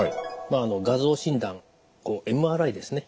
画像診断ＭＲＩですね。